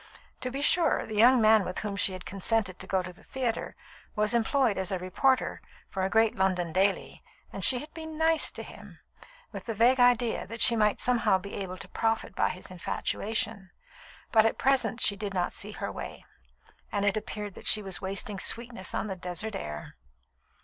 To be sure, the young man with whom she had consented to go to the theatre was employed as a reporter for a great London daily, and she had been "nice" to him, with the vague idea that she might somehow be able to profit by his infatuation; but at present she did not see her way, and it appeared that she was wasting sweetness on the desert air.